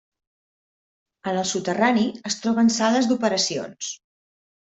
En el soterrani es troben sales d'operacions.